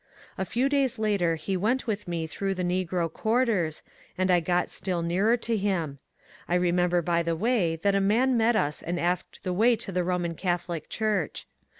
A few days later he went with me through the negro quarters, and I got still nearer to him. I remember by the way that a man met us and asked the way to the Roman Catholic Church.